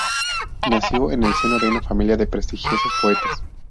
Nació en el seno de una familia de prestigiosos poetas.